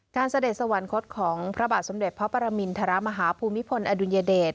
เสด็จสวรรคตของพระบาทสมเด็จพระปรมินทรมาฮาภูมิพลอดุลยเดช